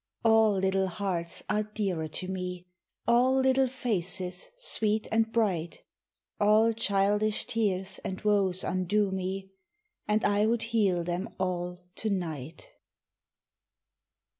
All little hearts are dearer to me, All little faces sweet and bright, All childish tears and woes undo me, And I would heal them all to night.